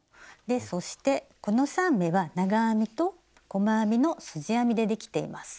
そしてこの３目は長編みと細編みのすじ編みでできています。